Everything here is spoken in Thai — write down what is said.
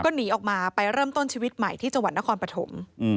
ก็หนีออกมาไปเริ่มต้นชีวิตใหม่ที่จังหวัดนครปฐม